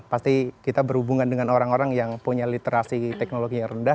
pasti kita berhubungan dengan orang orang yang punya literasi teknologi yang rendah